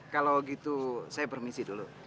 kalau gitu saya permisi dulu